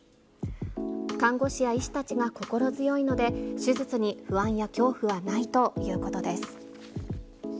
看護師や医師たちが心強いので、手術に不安や恐怖はないということです。